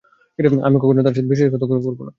আমি কখনো তার সাথে বিশ্বাসঘাতকতা করবো না!